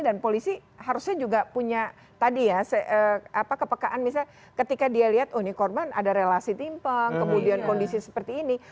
dan polisi seharusnya juga punya tadi ya kepekaan misalnya ketika dia lihat oh ini korban ada relasi timpeng kemudian kondisi seperti ini